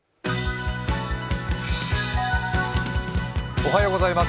おはようございます。